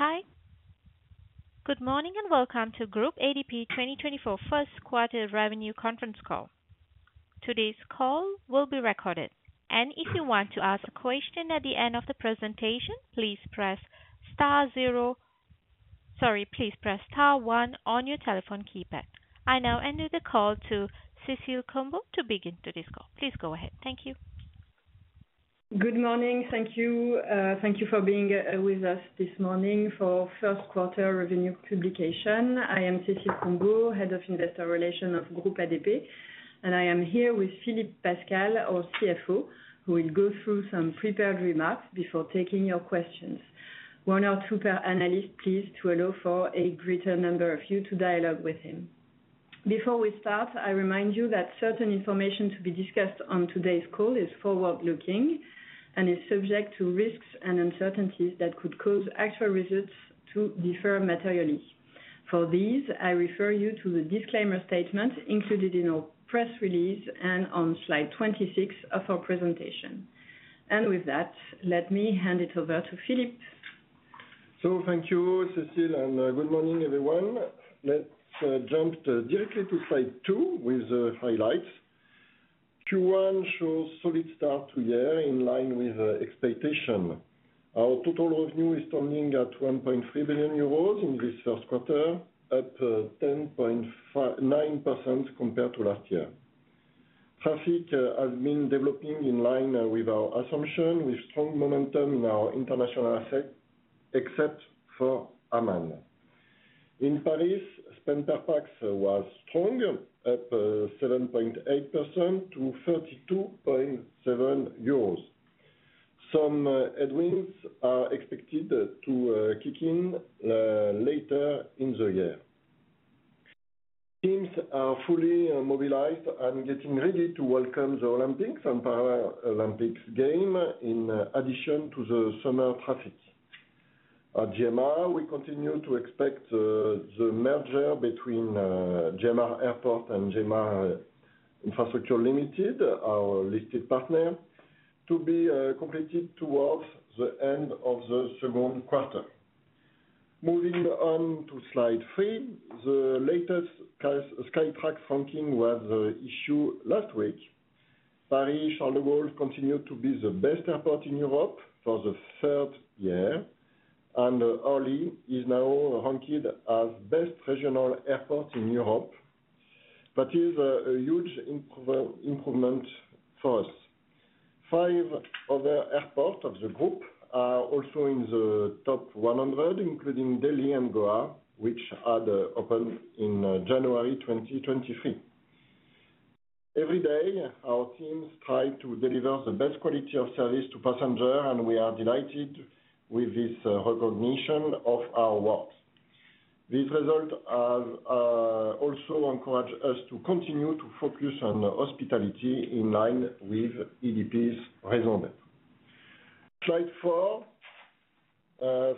Hi. Good morning and welcome to Groupe ADP 2024 Q1 revenue conference call. Today's call will be recorded, and if you want to ask a question at the end of the presentation, please press star zero sorry, please press star one on your telephone keypad. I now end the call to Cécile Combeau to begin today's call. Please go ahead. Thank you. Good morning. Thank you. Thank you for being with us this morning for Q1 revenue publication. I am Cécile Combeau, Head of Investor Relations of Group ADP, and I am here with Philippe Pascal, our CFO, who will go through some prepared remarks before taking your questions. One or two per analyst, please, to allow for a greater number of you to dialogue with him. Before we start, I remind you that certain information to be discussed on today's call is forward-looking and is subject to risks and uncertainties that could cause actual results to differ materially. For these, I refer you to the disclaimer statement included in our press release and on slide 26 of our presentation. With that, let me hand it over to Philippe. So thank you, Cécile, and good morning, everyone. Let's jump directly to slide two with highlights. Q1 shows solid start to year in line with expectation. Our total revenue is turning at 1.3 billion euros in this Q1, up 10.59% compared to last year. Traffic has been developing in line with our assumption, with strong momentum in our international assets, except for Amman. In Paris, spend-per-pax was strong, up 7.8% to 32.7 euros. Some headwinds are expected to kick in later in the year. Teams are fully mobilized and getting ready to welcome the Olympics and Paralympics Games in addition to the summer traffic. At GMR, we continue to expect the merger between GMR Airports and GMR Infrastructure Limited, our listed partner, to be completed towards the end of the Q2. Moving on to slide three, the latest Skytrax ranking was issued last week. Paris-Charles de Gaulle continued to be the best airport in Europe for the third year, and Orly is now ranked as best regional airport in Europe. That is a huge improvement for us. Five other airports of the group are also in the top 100, including Delhi and Goa, which had opened in January 2023. Every day, our teams strive to deliver the best quality of service to passengers, and we are delighted with this recognition of our work. These results have also encouraged us to continue to focus on hospitality in line with ADP's raison d'être. Slide 4.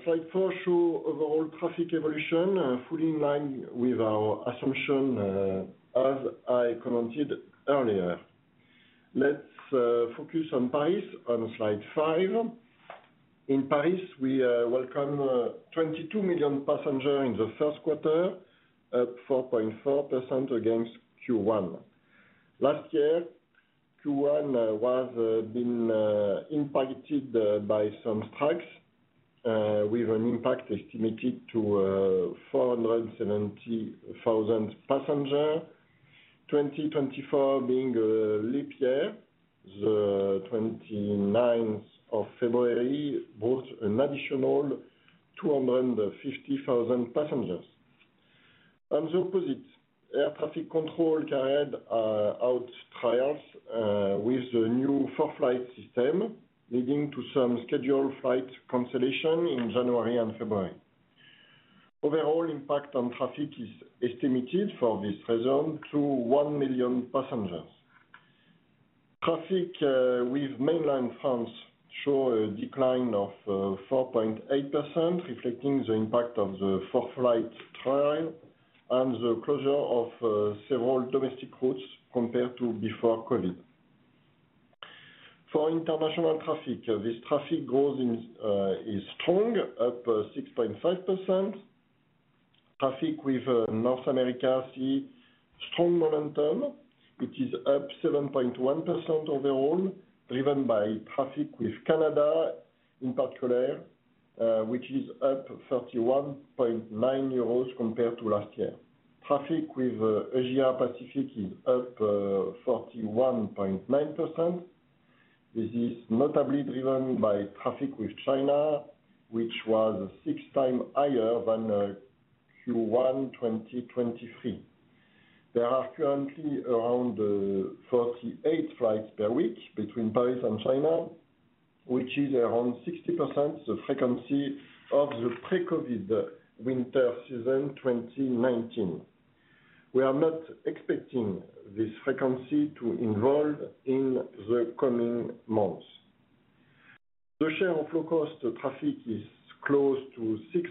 Slide 4 shows overall traffic evolution, fully in line with our assumption, as I commented earlier. Let's focus on Paris on slide 5. In Paris, we welcomed 22 million passengers in the Q1, up 4.4% against Q1. Last year Q1 was impacted by some strikes, with an impact estimated to 470,000 passengers, 2024 being a leap year. The 29th of February brought an additional 250,000 passengers. On the opposite, air traffic control carried out trials with the new 4-FLIGHT system, leading to some scheduled flight cancellations in January and February. Overall impact on traffic is estimated for this region to 1 million passengers. Traffic with mainland France showed a decline of 4.8%, reflecting the impact of the 4-FLIGHT trial and the closure of several domestic routes compared to before COVID. For international traffic, this traffic growth is strong, up 6.5%. Traffic with North America sees strong momentum. It is up 7.1% overall, driven by traffic with Canada in particular, which is up 31.9% compared to last year. Traffic with Asia Pacific is up 41.9%. This is notably driven by traffic with China, which was 6 times higher than Q1 2023. There are currently around 48 flights per week between Paris and China, which is around 60% the frequency of the pre-COVID winter season 2019. We are not expecting this frequency to evolve in the coming months. The share of low-cost traffic is close to 6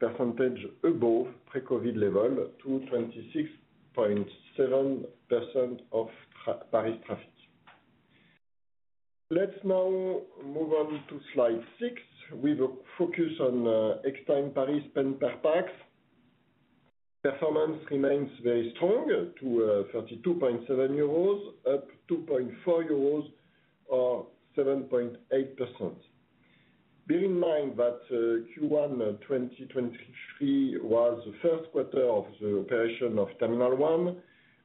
percentage points above pre-COVID level to 26.7% of total Paris traffic. Let's now move on to slide 6 with a focus on Extime Paris spend-per-pax. Performance remains very strong to 32.7 euros, up 2.4 euros or 7.8%. Bear in mind that Q1 2023 was the Q1 of the operation of Terminal 1,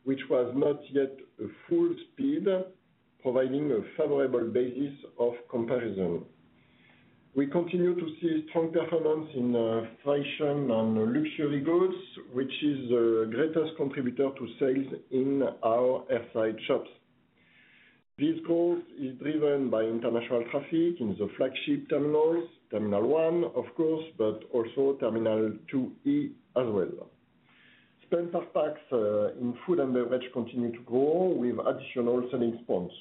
which was not yet at full speed, providing a favorable basis of comparison. We continue to see strong performance in fashion and luxury goods, which is the greatest contributor to sales in our airside shops. This growth is driven by international traffic in the flagship terminals, Terminal 1, of course, but also Terminal 2E as well. Spend per pax in food and beverage continues to grow with additional selling spots.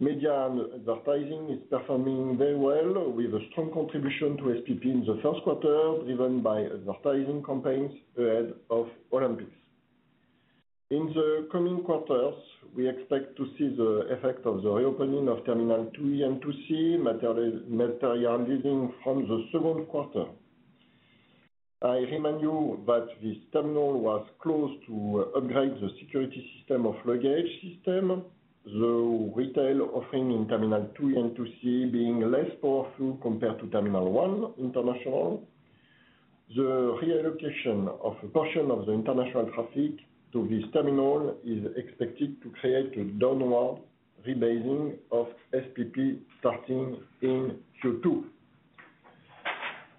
Media and advertising is performing very well with a strong contribution to SPP in the Q1, driven by advertising campaigns ahead of Olympics. In the coming quarters, we expect to see the effect of the reopening of Terminal 2E and 2C materially materializing from the Q2. I remind you that this terminal was closed to upgrade the security system of luggage system, the retail offering in Terminal 2E and 2C being less powerful compared to Terminal 1 International. The reallocation of a portion of the international traffic to this terminal is expected to create a downward rebasing of SPP starting in Q2.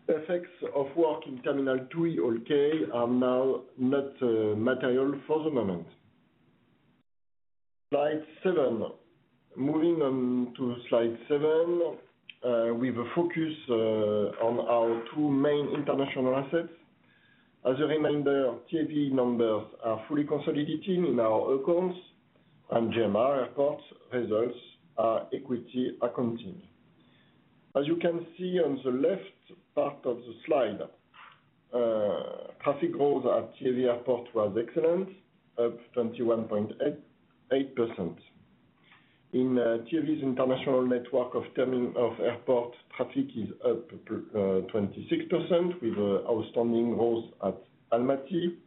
Effects of work in Terminal 2E, okay, are now not material for the moment. Slide seven. Moving on to slide seven, with a focus on our two main international assets. As a reminder, TAV numbers are fully consolidating in our accounts, and GMR Airports' results are equity accounting. As you can see on the left part of the slide, traffic growth at TAV Airport was excellent, up 21.8%. In TAV's international network of Terminal of Airports, traffic is up 26% with outstanding growth at Almaty.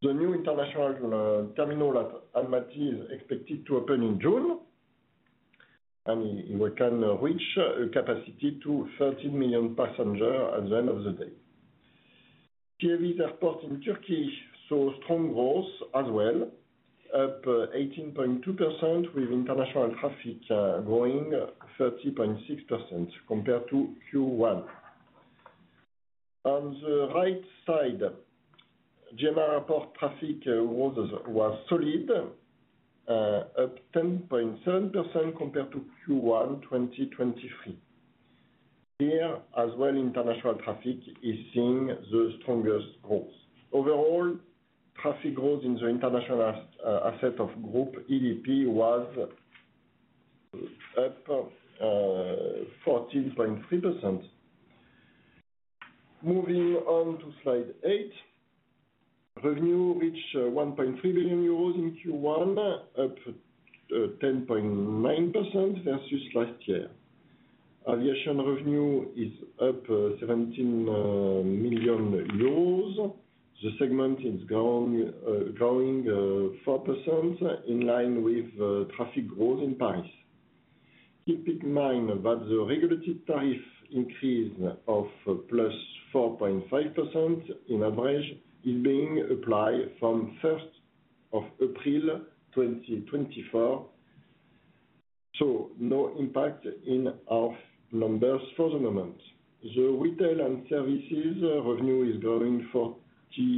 The new international terminal at Almaty is expected to open in June, and it will can reach a capacity to 13 million passengers at the end of the day. TAV's airport in Turkey saw strong growth as well, up 18.2% with international traffic growing 30.6% compared to Q1. On the right side, GMR Airports' traffic growth was solid, up 10.7% compared to Q1 2023. Here, as well, international traffic is seeing the strongest growth. Overall, traffic growth in the international asset of Groupe ADP was up 14.3%. Moving on to slide 8. Revenue reached 1.3 billion euros in Q1, up 10.9% versus last year. Aviation revenue is up 17 million euros. The segment is growing 4% in line with traffic growth in Paris. Keep in mind that the regulated tariff increase of +4.5% in average is being applied from first of April 2024, so no impact in our numbers for the moment. The retail and services revenue is growing 40-42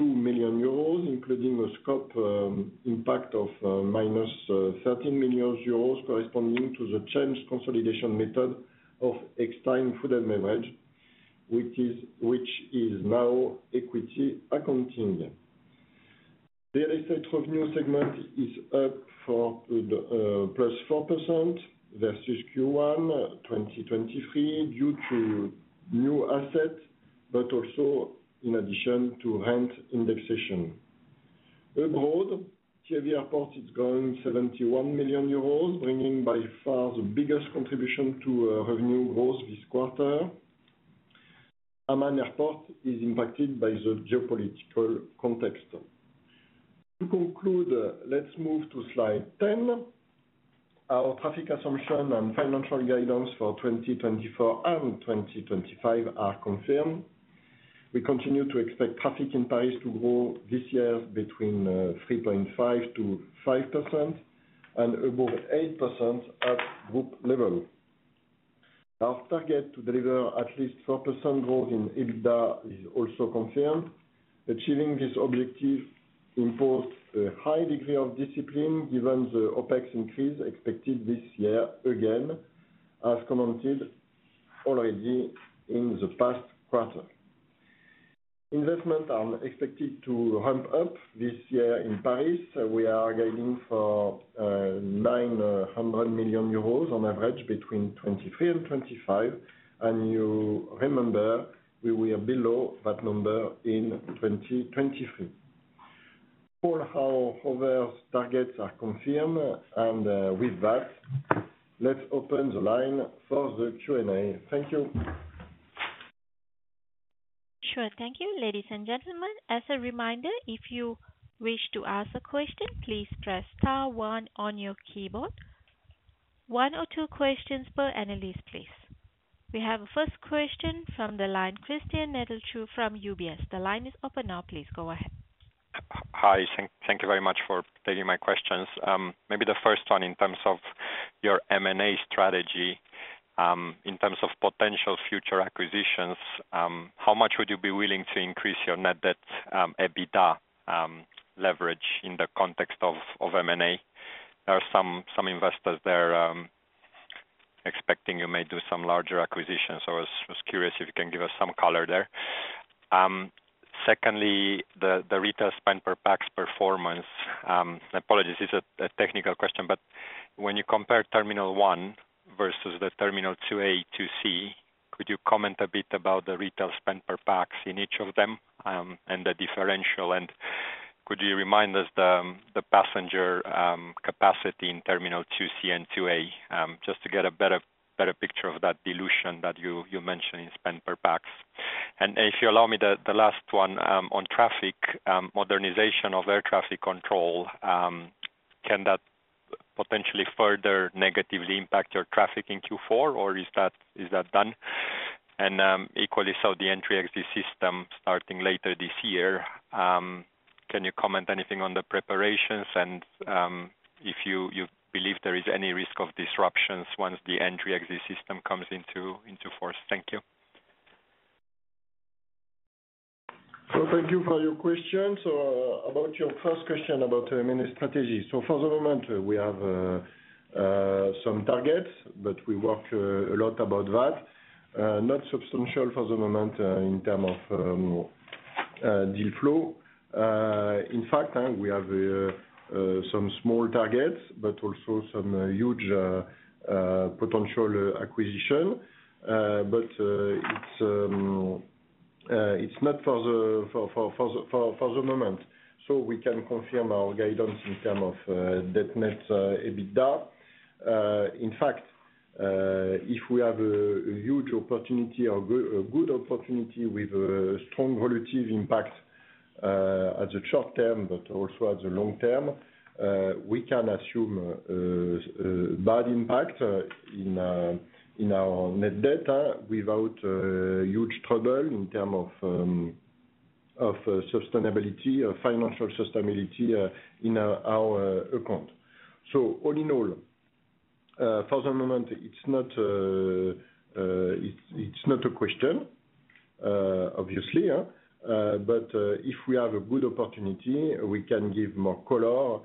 million euros, including a scope impact of -13 million euros corresponding to the change consolidation method of Extime food and beverage, which is now equity accounting. Real estate revenue segment is up 4% versus Q1 2023 due to new assets, but also in addition to rent indexation. Abroad, TAV Airports is growing 71 million euros, bringing by far the biggest contribution to revenue growth this quarter. Amman Airports is impacted by the geopolitical context. To conclude, let's move to slide 10. Our traffic assumption and financial guidance for 2024 and 2025 are confirmed. We continue to expect traffic in Paris to grow this year between 3.5%-5% and above 8% at group level. Our target to deliver at least 4% growth in EBITDA is also confirmed. Achieving this objective imposed a high degree of discipline given the OPEX increase expected this year again, as commented already in the past quarter. Investments are expected to ramp up this year in Paris. We are guiding for 900 million euros on average between 2023 and 2025, and you remember, we were below that number in 2023. All our other targets are confirmed, and, with that, let's open the line for the Q&A. Thank you. Sure. Thank you, ladies and gentlemen. As a reminder, if you wish to ask a question, please press star one on your keyboard. One or two questions per analyst, please. We have a first question from the line, Cristian Nedelcu from UBS. The line is open now. Please go ahead. Hi, thank you very much for taking my questions. Maybe the first one in terms of your M&A strategy, in terms of potential future acquisitions, how much would you be willing to increase your net debt, EBITDA, leverage in the context of M&A? There are some investors expecting you may do some larger acquisitions, so I was curious if you can give us some color there. Secondly, the retail spend-per-pax performance—apologies, this is a technical question, but when you compare Terminal One versus the Terminal Two A, Two C, could you comment a bit about the retail spend-per-pax in each of them, and the differential? Could you remind us the passenger capacity in Terminal Two C and Two A, just to get a better picture of that dilution that you mentioned in spend-per-pax? And if you allow me, the last one, on traffic, modernization of air traffic control, can that potentially further negatively impact your traffic in Q4, or is that done? And, equally so, the Entry/Exit System starting later this year. Can you comment anything on the preparations and, if you believe there is any risk of disruptions once the Entry/Exit System comes into force? Thank you. So thank you for your question. So, about your first question about M&A strategy. So for the moment, we have some targets, but we work a lot about that. Not substantial for the moment, in terms of deal flow. In fact, we have some small targets, but also some huge potential acquisition. But it's not for the moment. So we can confirm our guidance in terms of net debt, EBITDA. In fact, if we have a huge opportunity or a good opportunity with a strong volatile impact at the short term, but also at the long term, we can assume bad impact in our net debt without huge trouble in terms of sustainability, financial sustainability, in our account. So all in all, for the moment, it's not a question, obviously, but if we have a good opportunity, we can give more color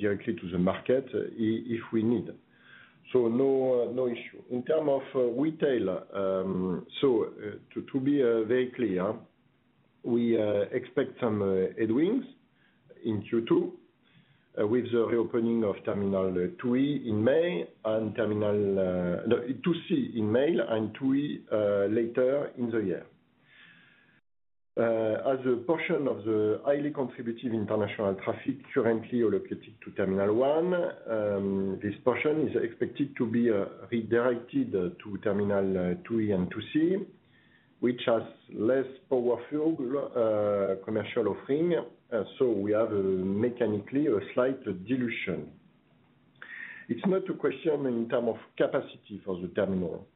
directly to the market if we need. So no issue. In terms of retail, so to be very clear, we expect some headwinds in Q2, with the reopening of Terminal 2C in May and Terminal 2E later in the year. As a portion of the highly contributive international traffic currently allocated to Terminal 1, this portion is expected to be redirected to Terminal 2E and 2C, which has less powerful commercial offering, so we have mechanically a slight dilution. It's not a question in terms of capacity for the terminal,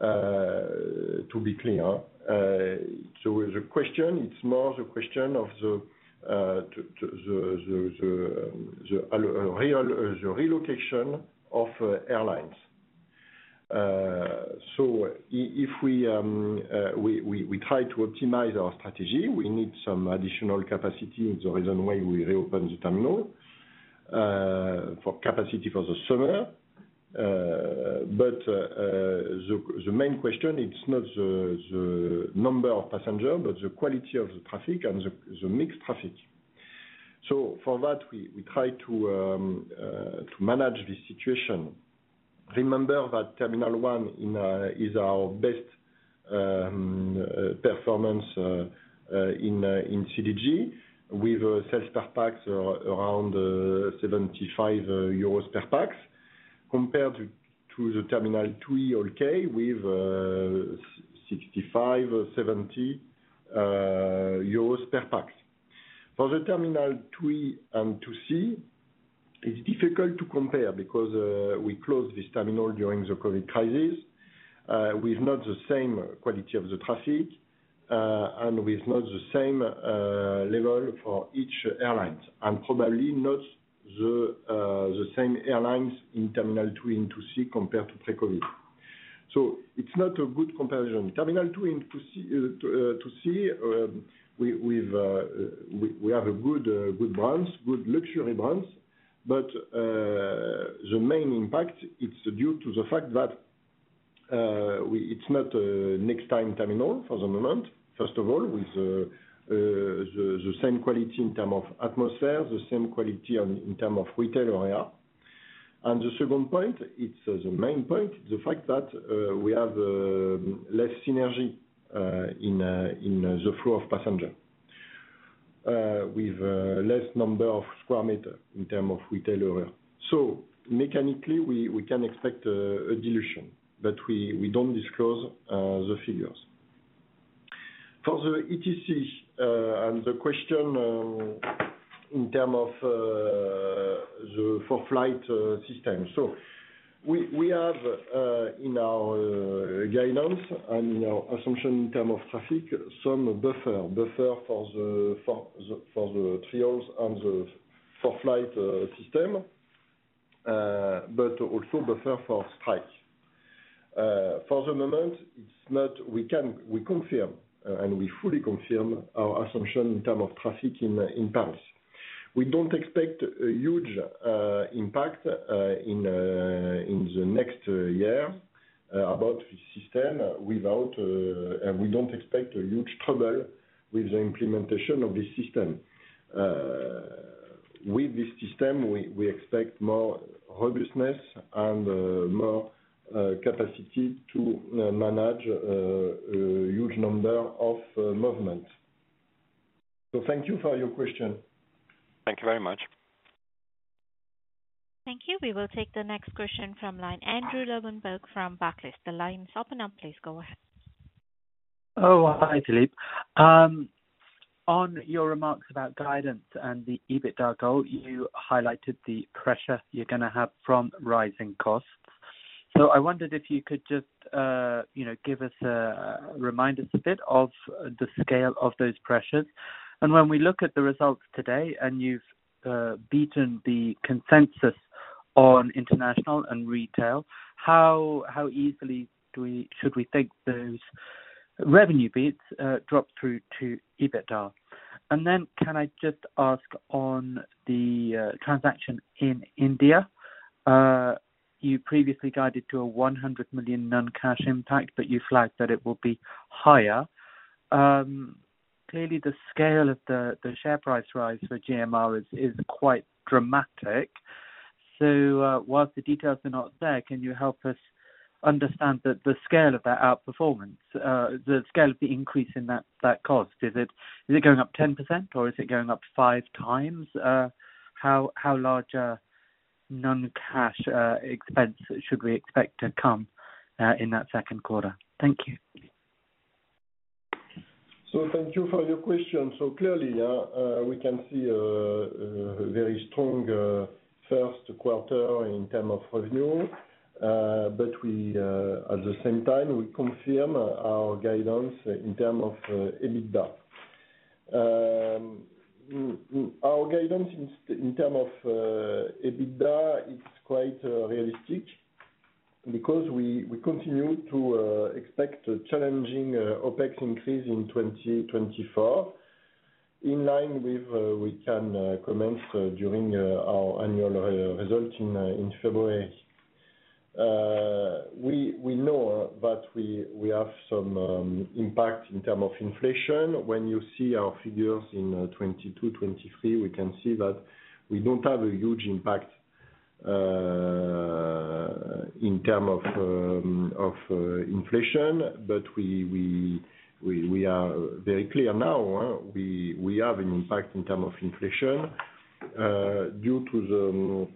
to be clear. So the question, it's more the question of the reallocation of airlines. So if we try to optimize our strategy, we need some additional capacity and the reason why we reopen the terminal, for capacity for the summer. But the main question, it's not the number of passengers, but the quality of the traffic and the mixed traffic. So for that, we try to manage this situation. Remember that Terminal 1 is our best performance in CDG with sales per pax around 75 euros per pax compared to the Terminal 2E, okay, with EUR 65-EUR 70 per pax. For the Terminal 2E and 2C, it's difficult to compare because we closed this terminal during the COVID crisis. We've not the same quality of the traffic, and we've not the same level for each airlines and probably not the same airlines in Terminal 2E and 2C compared to pre-COVID. So it's not a good comparison. Terminal 2E and 2C, 2E, we have good brands, good luxury brands, but the main impact, it's due to the fact that it's not a next-time terminal for the moment, first of all, with the same quality in terms of atmosphere, the same quality in terms of retail area. And the second point, it's the main point, it's the fact that we have less synergy in the flow of passengers with less number of square meters in terms of retail area. So mechanically, we can expect a dilution, but we don't disclose the figures. For the EES and the question in terms of the 4-FLIGHT system. So we have in our guidance and in our assumption in terms of traffic some buffer for the trials and the 4-FLIGHT system, but also buffer for strikes. For the moment, we can confirm and we fully confirm our assumption in terms of traffic in Paris. We don't expect a huge impact in the next year about this system without, and we don't expect a huge trouble with the implementation of this system. With this system, we expect more robustness and more capacity to manage a huge number of movements. So thank you for your question. Thank you very much. Thank you. We will take the next question from line. Andrew Lobbenberg from Barclays. The line's open up. Please go ahead. Oh, hi, Philippe. On your remarks about guidance and the EBITDA goal, you highlighted the pressure you're going to have from rising costs. So I wondered if you could just, you know, give us a reminder a bit of the scale of those pressures. And when we look at the results today, and you've, beaten the consensus on international and retail, how, how easily do we should we think those revenue beats, drop through to EBITDA? And then can I just ask on the, transaction in India? You previously guided to a 100 million non-cash impact, but you flagged that it will be higher. Clearly, the scale of the, the share price rise for GMR is, is quite dramatic. So, whilst the details are not there, can you help us understand the, the scale of that outperformance, the scale of the increase in that, that cost? Is it going up 10%, or is it going up five times? How large non-cash expense should we expect to come in that Q2? Thank you. So thank you for your question. So clearly, we can see very strong Q1 in terms of revenue. But at the same time, we confirm our guidance in terms of EBITDA. Our guidance in terms of EBITDA is quite realistic because we continue to expect a challenging OPEX increase in 2024 in line with what we communicated during our annual results in February. We know that we have some impact in terms of inflation. When you see our figures in 2022, 2023, we can see that we don't have a huge impact in terms of inflation, but we are very clear now. We have an impact in terms of inflation, due to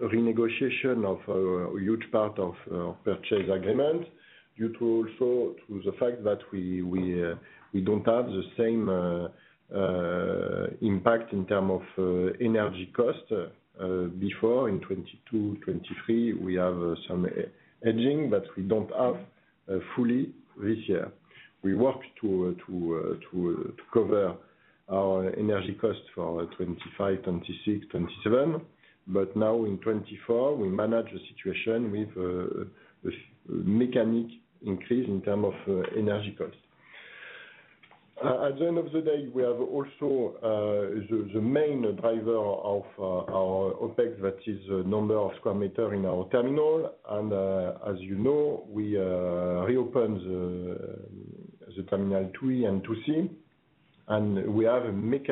the renegotiation of a huge part of our purchase agreement due to also the fact that we don't have the same impact in terms of energy cost. Before, in 2022, 2023, we have some hedging, but we don't have it fully this year. We work to cover our energy cost for 2025, 2026, 2027, but now in 2024, we manage the situation with a mechanical increase in terms of energy cost. At the end of the day, we also have the main driver of our OPEX, that is, number of square meters in our terminal. As you know, we reopen the Terminal 2E and 2C, and we have a marked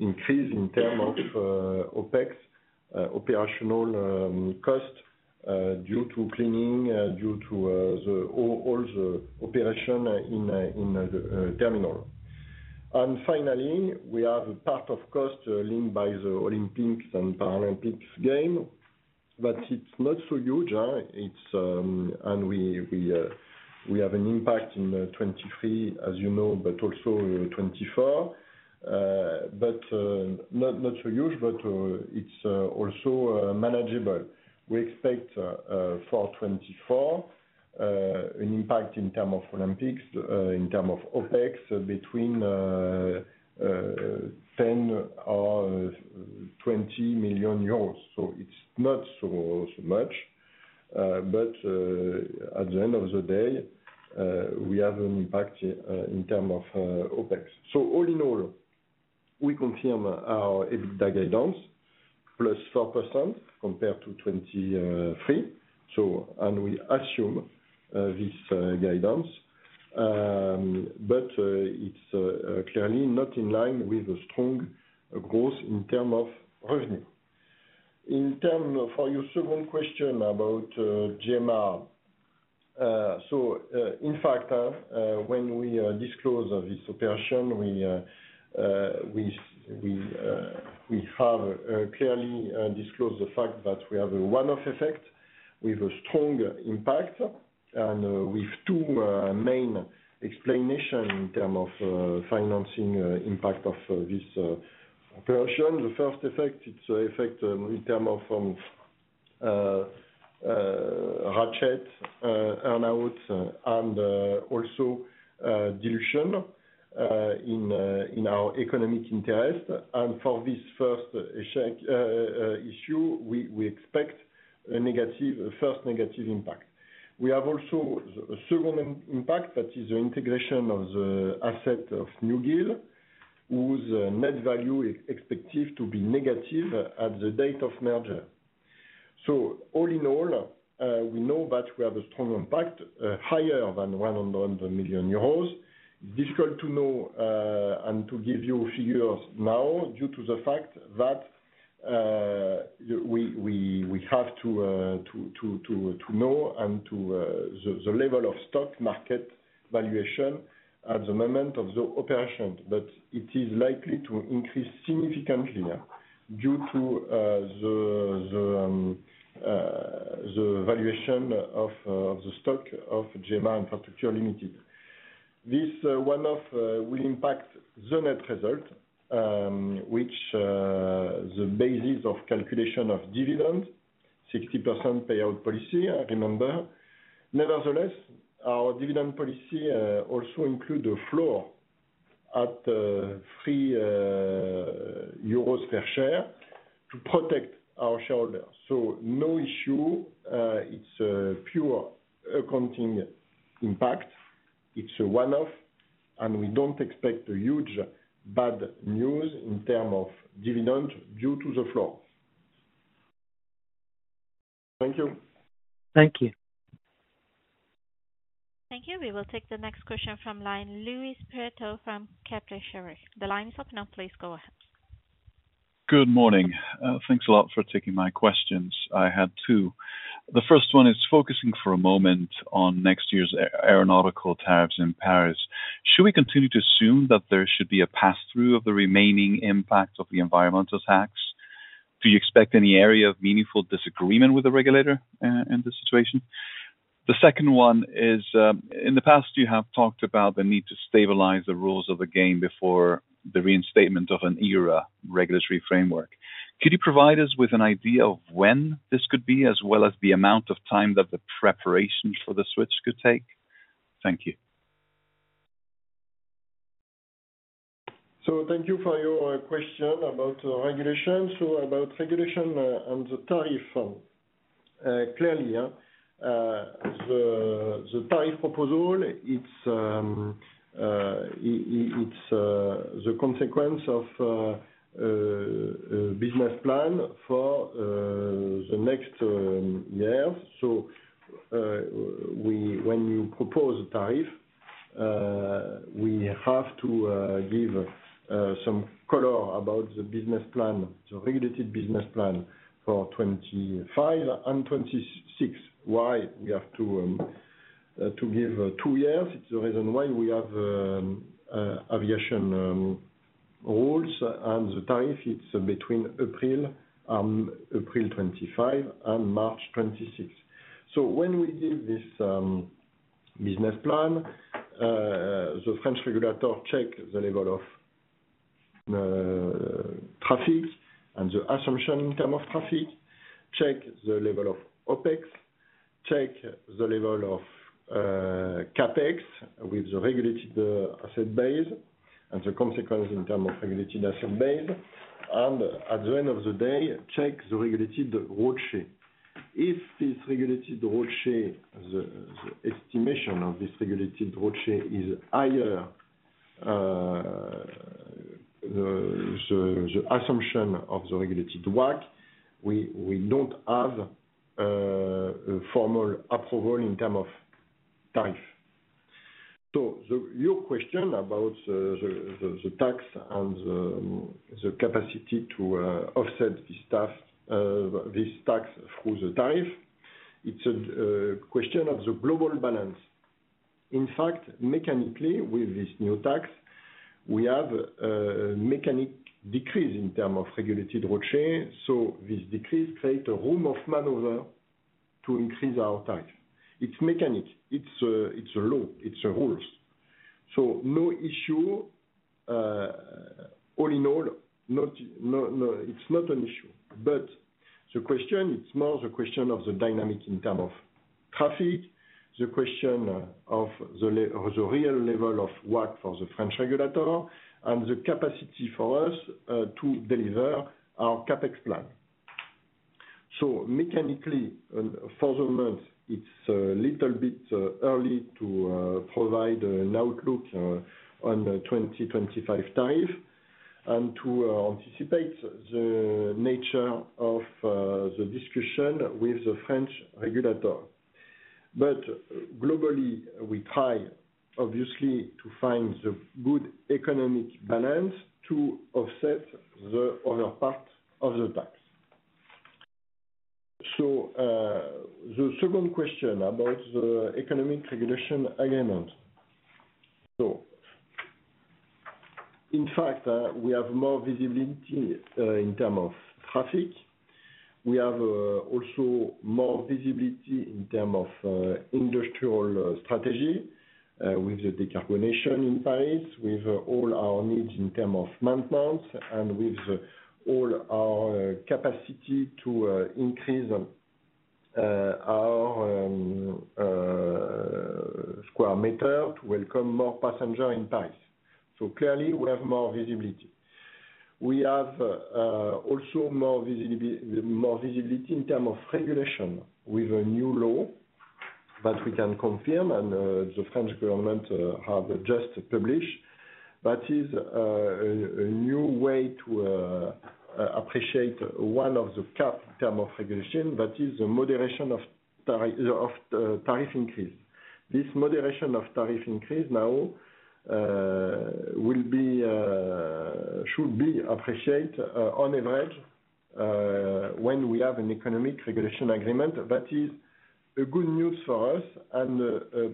increase in terms of OPEX, operational cost, due to cleaning, due to all the operations in the terminal. Finally, we have a part of cost linked by the Olympics and Paralympics Games, but it's not so huge, huh. It is, and we have an impact in 2023, as you know, but also 2024. But not so huge, but it is also manageable. We expect for 2024 an impact in terms of Olympics in terms of OPEX between 10 or 20 million euros. So it's not so much. But at the end of the day, we have an impact in terms of OPEX. So all in all, we confirm our EBITDA guidance +4% compared to 2023, and we assume this guidance. It's clearly not in line with strong growth in terms of revenue. In terms of your second question about GMR, when we disclose this operation, we have clearly disclosed the fact that we have a one-off effect with a strong impact and with two main explanations in terms of financing impact of this operation. The first effect, it's an effect in terms of ratchet earnouts and also dilution in our economic interest. And for this first issue, we expect a negative impact. We also have a second impact that is the integration of the asset of New GIL, whose net value is expected to be negative at the date of merger. So all in all, we know that we have a strong impact, higher than 100 million euros. It's difficult to know and to give you figures now due to the fact that we have to know the level of stock market valuation at the moment of the operation, but it is likely to increase significantly due to the valuation of the stock of GMR Infrastructure Limited. This one-off will impact the net result, which the basis of calculation of dividend, 60% payout policy, remember. Nevertheless, our dividend policy also includes a floor at 3 euros per share to protect our shareholders. So no issue. It's a pure accounting impact. It's a one-off, and we don't expect a huge bad news in terms of dividend due to the floor. Thank you. Thank you. Thank you. We will take the next question from line. Luis Prieto from Kepler Cheuvreux. The line's open up. Please go ahead. Good morning. Thanks a lot for taking my questions. I had two. The first one is focusing for a moment on next year's aeronautical tariffs in Paris. Should we continue to assume that there should be a pass-through of the remaining impact of the environmental tax? Do you expect any area of meaningful disagreement with the regulator, in this situation? The second one is, in the past, you have talked about the need to stabilize the rules of the game before the reinstatement of an era regulatory framework. Could you provide us with an idea of when this could be, as well as the amount of time that the preparation for the switch could take? Thank you. So thank you for your question about regulation. So about regulation and the tariff, clearly, the tariff proposal, it's the consequence of a business plan for the next years. So when you propose a tariff, we have to give some color about the business plan, the regulated business plan for 2025 and 2026, why we have to give two years. It's the reason why we have aviation rules and the tariff, it's between April 2025 and March 2026. So when we give this business plan, the French regulator checks the level of traffic and the assumption in terms of traffic, checks the level of OPEX, checks the level of CAPEX with the regulated asset base and the consequence in terms of regulated asset base, and at the end of the day, checks the regulated roadshow. If this regulated revenue, the estimation of this regulated revenue is higher, the assumption of the regulated WACC, we don't have a formal approval in terms of tariff. So your question about the tax and the capacity to offset this tax through the tariff, it's a question of the global balance. In fact, mechanically, with this new tax, we have a mechanical decrease in terms of regulated revenue. So this decrease creates a room of maneuver to increase our tariff. It's mechanical. It's a law. It's a rule. So no issue. All in all, it's not an issue. But the question, it's more the question of the dynamic in terms of traffic, the question of the real level of WACC for the French regulator, and the capacity for us to deliver our CAPEX plan. So mechanically, for the moment, it's a little bit early to provide an outlook on the 2025 tariff and to anticipate the nature of the discussion with the French regulator. But globally, we try obviously to find the good economic balance to offset the other part of the tax. So, the second question about the economic regulation agreement. So, in fact, we have more visibility in terms of traffic. We have also more visibility in terms of industrial strategy, with the decarbonation in Paris, with all our needs in terms of maintenance, and with all our capacity to increase our square meter to welcome more passengers in Paris. So clearly, we have more visibility. We have also more visibility in terms of regulation with a new law that we can confirm, and the French government have just published. That is, a new way to appreciate one of the caps in terms of regulation that is the moderation of tariff increase. This moderation of tariff increase now will be, should be appreciated on average when we have an economic regulation agreement. That is a good news for us and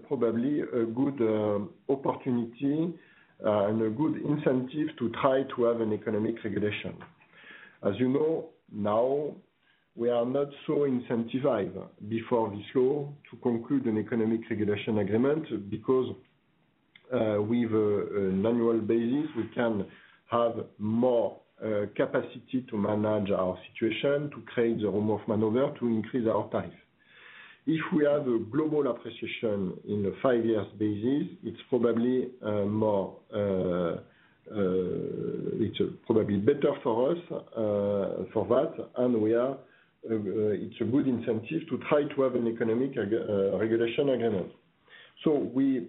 probably a good opportunity and a good incentive to try to have an economic regulation. As you know, now we are not so incentivized before this law to conclude an economic regulation agreement because with an annual basis we can have more capacity to manage our situation, to create the room of maneuver, to increase our tariff. If we have a global appreciation in a five-year basis, it's probably more, it's probably better for us for that, and we are it's a good incentive to try to have an economic regulation agreement. So we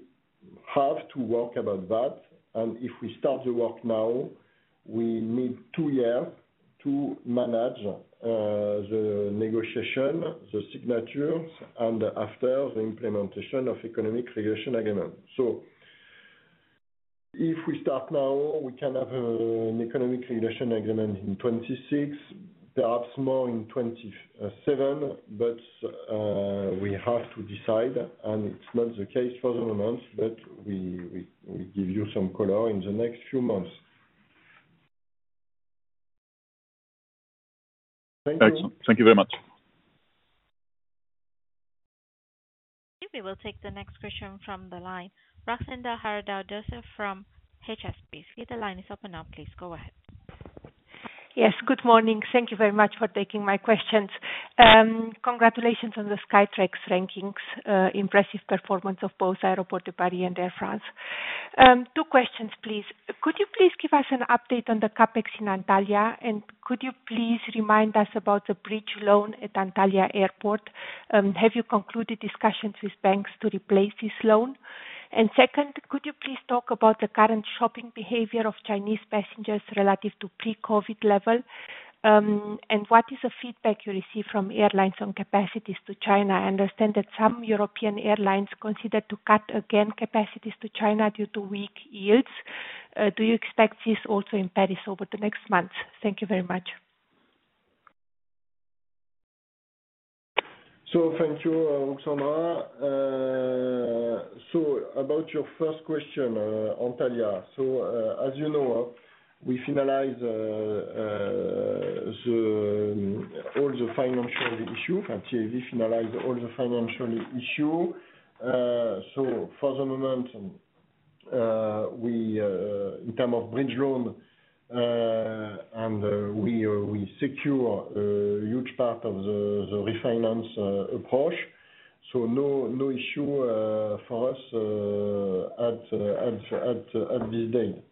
have to work about that, and if we start the work now, we need two years to manage the negotiation, the signatures, and after the implementation of economic regulation agreement. So if we start now, we can have an economic regulation agreement in 2026, perhaps more in 2027, but we have to decide, and it's not the case for the moment, but we give you some color in the next few months. Thank you. Excellent. Thank you very much. We will take the next question from the line. Ruxandra Haradau-Doser from Kepler Cheuvreux. The line is open up. Please go ahead. Yes. Good morning. Thank you very much for taking my questions. Congratulations on the Skytrax rankings, impressive performance of both Aéroports de Paris and Air France. Two questions, please. Could you please give us an update on the CAPEX in Antalya, and could you please remind us about the bridge loan at Antalya Airport? Have you concluded discussions with banks to replace this loan? And second, could you please talk about the current shopping behavior of Chinese passengers relative to pre-COVID level? And what is the feedback you receive from airlines on capacities to China? I understand that some European airlines consider to cut again capacities to China due to weak yields. Do you expect this also in Paris over the next months? Thank you very much. So thank you, Alexandra. So about your first question, Antalya. So, as you know, we finalize all the financial issues. TAV finalized all the financial issues. So for the moment, we, in terms of bridge loan, and we secure a huge part of the refinance approach. So no issue for us at this date.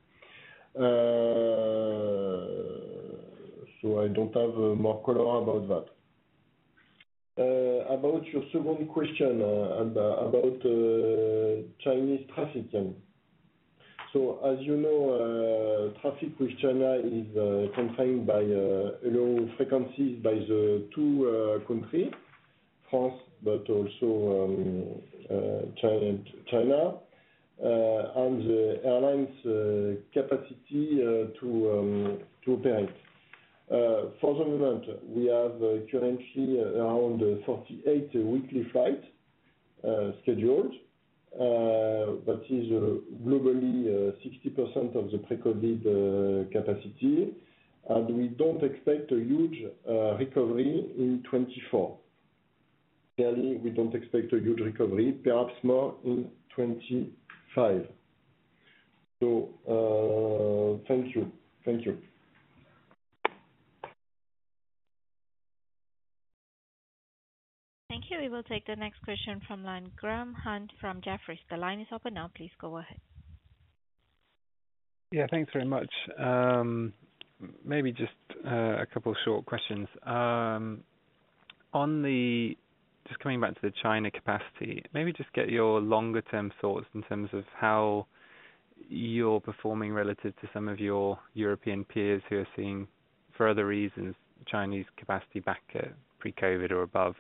So I don't have more color about that. About your second question, about Chinese traffic, yes. So as you know, traffic with China is confined by low frequencies by the two countries, France but also China, and the airlines capacity to operate. For the moment, we have currently around 48 weekly flights scheduled. That is globally 60% of the pre-COVID capacity, and we don't expect a huge recovery in 2024. Clearly, we don't expect a huge recovery, perhaps more in 2025. So, thank you. Thank you. Thank you. We will take the next question from line. Graham Hunt from Jefferies. The line is open up. Please go ahead. Yeah. Thanks very much. Maybe just a couple of short questions. On just coming back to the China capacity, maybe just get your longer-term thoughts in terms of how you're performing relative to some of your European peers who are seeing, for other reasons, Chinese capacity back at pre-COVID or above.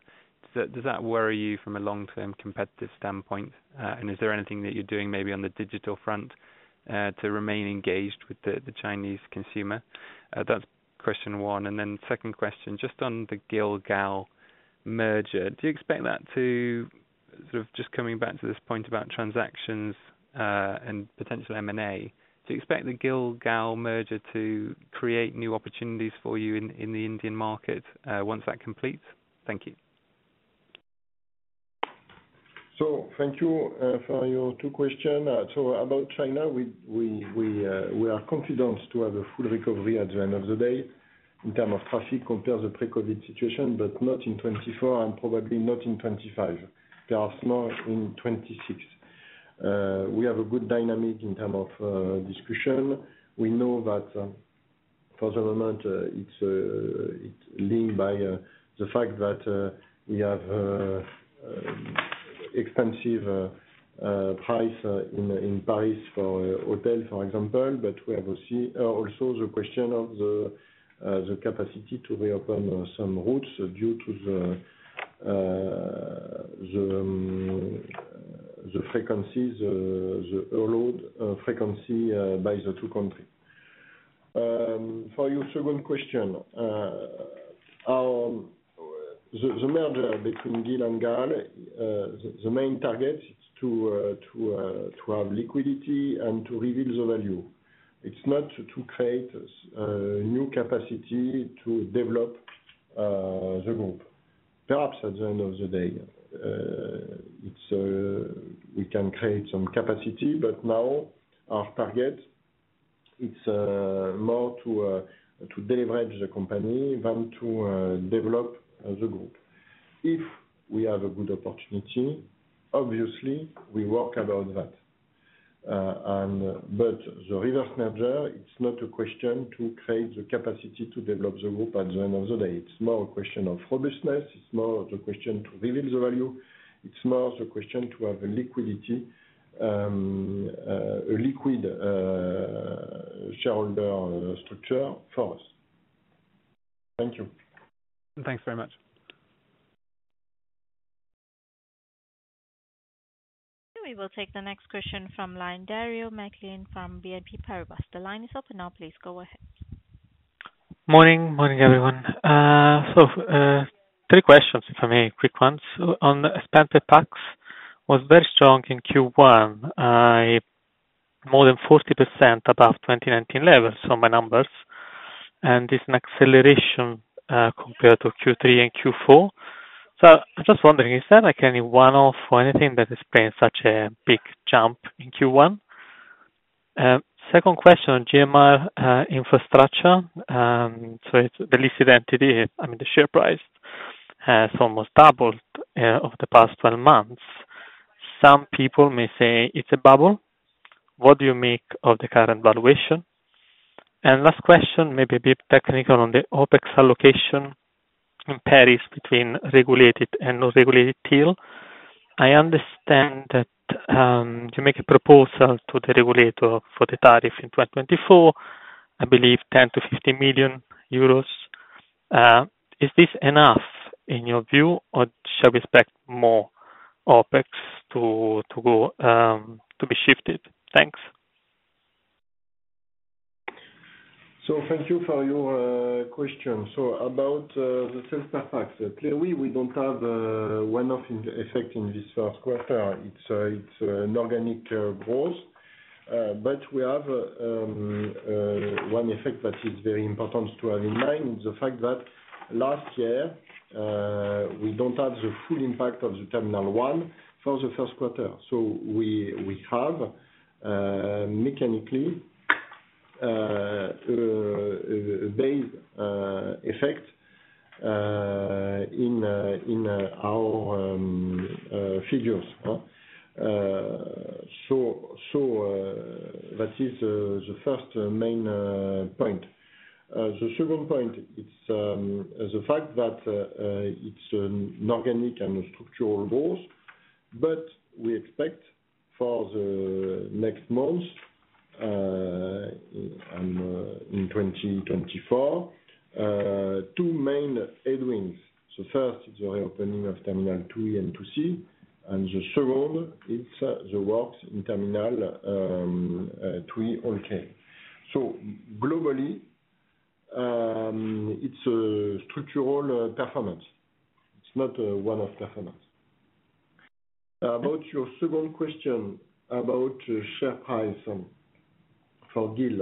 Does that worry you from a long-term competitive standpoint? And is there anything that you're doing maybe on the digital front to remain engaged with the Chinese consumer? That's question one. And then second question, just on the GIL-GAL merger, do you expect that to sort of just coming back to this point about transactions and potential M&A, do you expect the GIL-GAL merger to create new opportunities for you in the Indian market once that completes? Thank you. So thank you for your two questions. So about China, we are confident to have a full recovery at the end of the day in terms of traffic compared to the pre-COVID situation, but not in 2024 and probably not in 2025. Perhaps more in 2026. We have a good dynamic in terms of discussion. We know that, for the moment, it's linked by the fact that we have expensive price in Paris for hotels, for example, but we have also see also the question of the capacity to reopen some routes due to the frequencies, the overload frequency by the two countries. For your second question, the merger between GIL and GAL, the main target is to have liquidity and to reveal the value. It's not to create new capacity to develop the group. Perhaps at the end of the day, it's, we can create some capacity, but now our target, it's, more to, to deleverage the company than to, develop the group. If we have a good opportunity, obviously, we work about that. The reverse merger, it's not a question to create the capacity to develop the group at the end of the day. It's more a question of robustness. It's more the question to reveal the value. It's more the question to have liquidity, a liquid, shareholder structure for us. Thank you. Thanks very much. We will take the next question from line. Dario Maglione from BNP Paribas. The line is open up. Please go ahead. Morning. Morning, everyone. So, three questions if I may, quick ones. On the spend per pax was very strong in Q1, more than 40% above 2019 levels, so my numbers, and it's an acceleration, compared to Q3 and Q4. So I'm just wondering, is there like any one-off or anything that has played such a big jump in Q1? Second question on GMR Infrastructure, so it's the listed entity, I mean, the share price has almost doubled, over the past 12 months. Some people may say it's a bubble. What do you make of the current valuation? And last question, maybe a bit technical on the OPEX allocation in Paris between regulated and non-regulated deal. I understand that, you make a proposal to the regulator for the tariff in 2024, I believe, 10 million-15 million euros. Is this enough in your view, or should we expect more OPEX to be shifted? Thanks. So thank you for your question. So about the retail, clearly, we don't have one-off effect in this Q1. It's an organic growth. But we have one effect that is very important to have in mind. It's the fact that last year, we don't have the full impact of the Terminal 1 for the Q1. So we have mechanically a base effect in our figures, huh? So that is the first main point. The second point is the fact that it's an organic and a structural growth, but we expect for the next months in 2024 two main headwinds. The first is the reopening of Terminal 2E and 2C, and the second is the works in Terminal 2E, Hall K. So globally, it's a structural performance. It's not a one-off performance. About your second question about share price for GIL,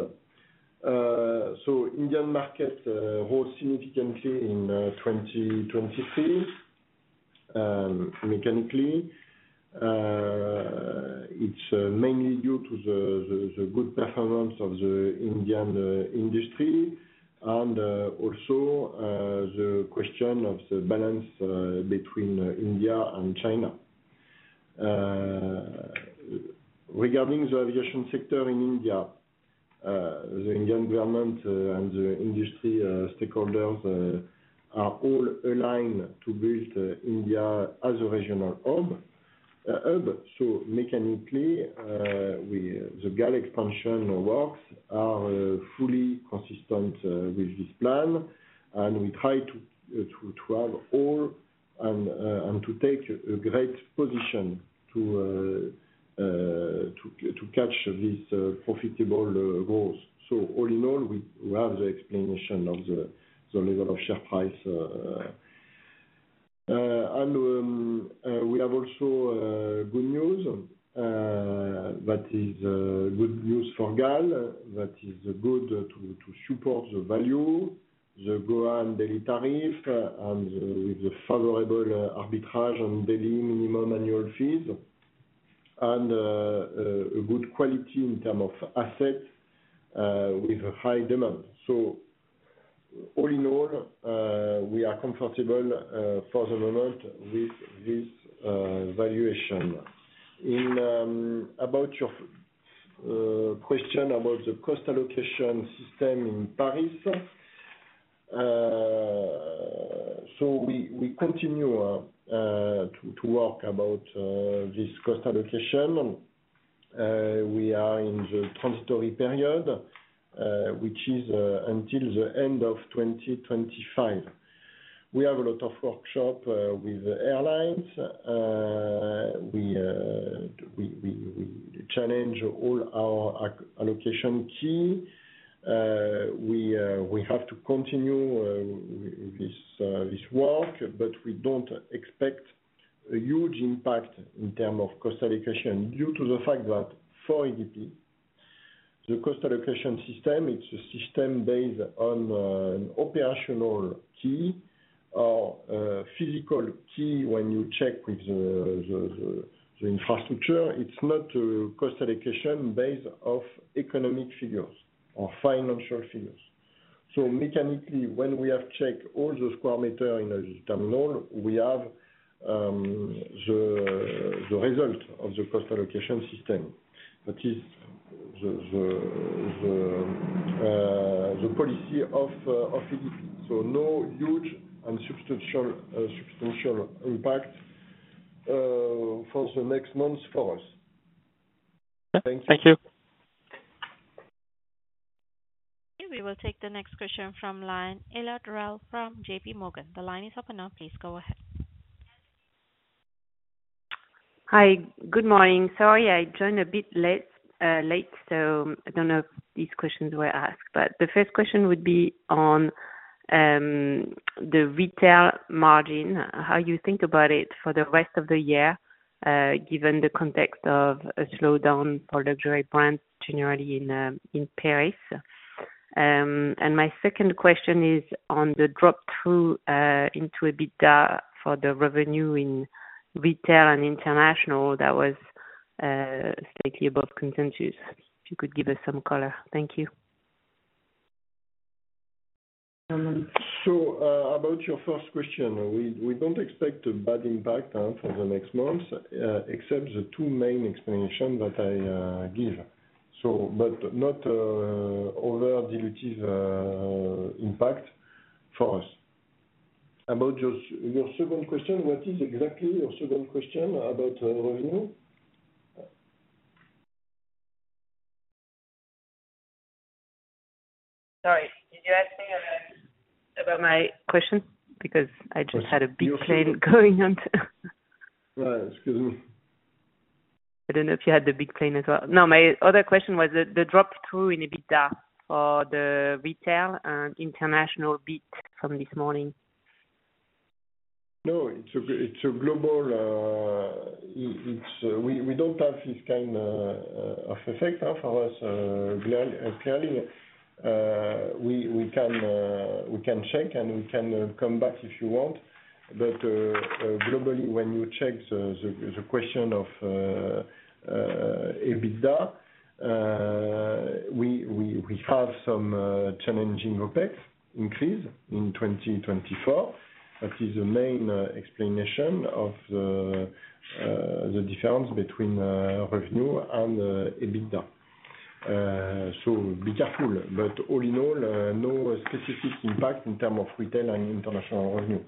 so Indian market rose significantly in 2023, mechanically. It's mainly due to the good performance of the Indian industry and also the question of the balance between India and China. Regarding the aviation sector in India, the Indian government and the industry stakeholders are all aligned to build India as a regional hub. So mechanically, we the GAL expansion works are fully consistent with this plan, and we try to have all and to take a great position to catch this profitable growth. So all in all, we have the explanation of the level of share price, and we have also good news. That is good news for GAL. That is good to support the value, the Goa and Delhi tariff, and with the favorable arbitrage and Delhi minimum annual fees, and a good quality in terms of assets, with a high demand. So all in all, we are comfortable for the moment with this valuation. Regarding your question about the cost allocation system in Paris, we continue to work about this cost allocation. We are in the transitory period, which is until the end of 2025. We have a lot of workshops with airlines. We challenge all our allocation keys. We have to continue with this work, but we don't expect a huge impact in terms of cost allocation due to the fact that for ADP, the cost allocation system, it's a system based on an operational key or physical key. When you check with the infrastructure, it's not a cost allocation based off economic figures or financial figures. So mechanically, when we have checked all the square meter in a terminal, we have the result of the cost allocation system. That is the policy of EDP. So no huge and substantial impact for the next months for us. Thank you. Thank you. We will take the next question from line. Elodie Rall from J.P. Morgan. The line is open up. Please go ahead. Hi. Good morning. Sorry, I joined a bit late, so I don't know if these questions were asked. But the first question would be on the retail margin, how you think about it for the rest of the year, given the context of a slowdown for luxury brands generally in Paris. And my second question is on the drop-through into EBITDA for the revenue in retail and international that was slightly above consensus. If you could give us some color. Thank you. So, about your first question, we don't expect a bad impact for the next months, except the two main explanations that I give. So, but not over-dilutive impact for us. About your second question, what is exactly your second question about revenue? Sorry. Did you ask me about my question? Because I just had a big plane going on. Excuse me. I don't know if you had the big plane as well. No, my other question was the drop-through in EBITDA for the retail and international bit from this morning. No, it's a global. It's we. We don't have this kind of effect, huh, for us. Clearly, we can check, and we can come back if you want. But globally, when you check the question of EBITDA, we have some challenging OPEX increase in 2024. That is the main explanation of the difference between revenue and EBITDA. So be careful. But all in all, no specific impact in terms of retail and international revenue.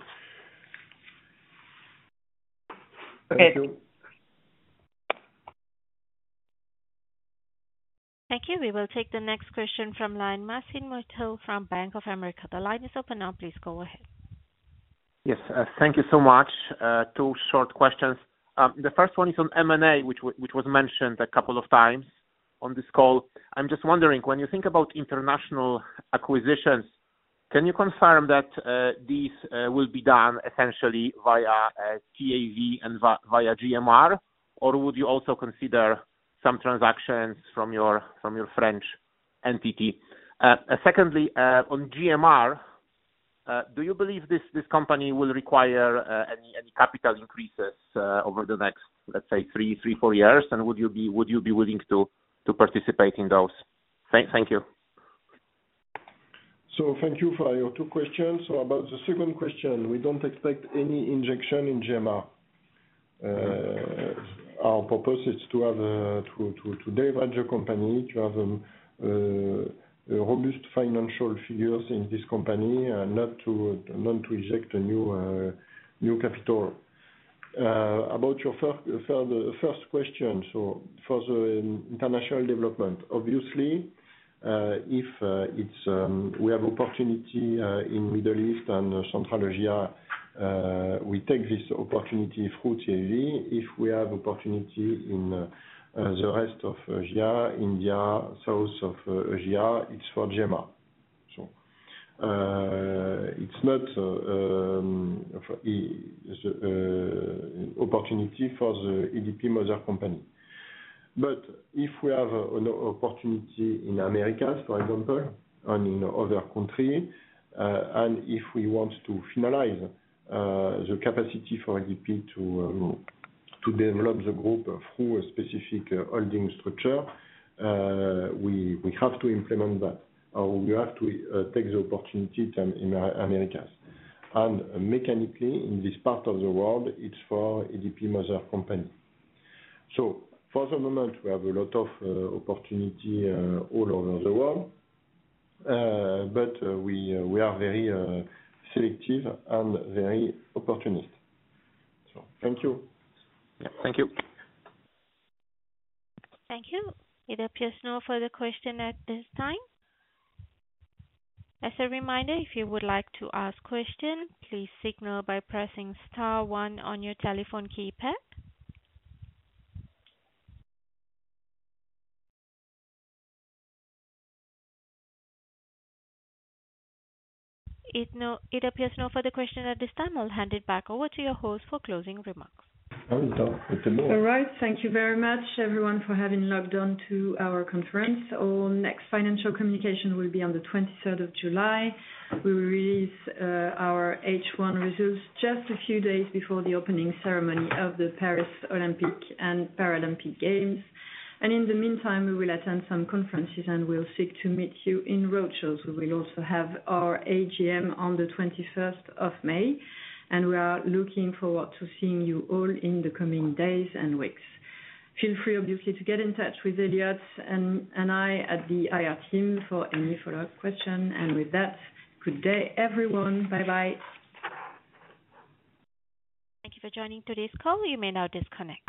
Okay. Thank you. Thank you. We will take the next question from the line. Marcin Wojtal from Bank of America. The line is open. Please go ahead. Yes. Thank you so much. Two short questions. The first one is on M&A, which was mentioned a couple of times on this call. I'm just wondering, when you think about international acquisitions, can you confirm that these will be done essentially via TAV and via GMR, or would you also consider some transactions from your French entity? Secondly, on GMR, do you believe this company will require any capital increases over the next, let's say, three, four years? And would you be willing to participate in those? Thank you. Thank you for your two questions. About the second question, we don't expect any injection in GMR. Our purpose is to deleverage the company, to have robust financial figures in this company, and not to inject new capital. About your first question, for the international development, obviously, if we have opportunity in the Middle East and Central Asia, we take this opportunity through TAV. If we have opportunity in the rest of Asia, India, South Asia, it's for GMR. It's not an opportunity for the Groupe ADP company. But if we have an opportunity in the Americas, for example, and in other countries, and if we want to finalize the capacity for ADP to develop the group through a specific holding structure, we have to implement that, or we have to take the opportunity in the Americas. Mechanically, in this part of the world, it's for ADP, our company. So for the moment, we have a lot of opportunity all over the world, but we are very selective and very opportunistic. So thank you. Yeah. Thank you. Thank you. It appears no further question at this time. As a reminder, if you would like to ask a question, please signal by pressing star 1 on your telephone keypad. It appears no further question at this time. I'll hand it back over to your host for closing remarks. All right. Thank you very much, everyone, for having logged on to our conference. Our next financial communication will be on the 23rd of July. We will release our H1 results just a few days before the opening ceremony of the Paris Olympic and Paralympic Games. In the meantime, we will attend some conferences, and we'll seek to meet you in roadshows. We will also have our AGM on the 21st of May. We are looking forward to seeing you all in the coming days and weeks. Feel free, obviously, to get in touch with Eliott and I at the IR team for any follow-up question. And with that, good day, everyone. Bye-bye. Thank you for joining today's call. You may now disconnect.